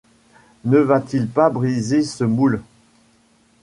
Ne va-t-il pas briser ce moule